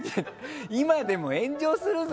今でも炎上するぞ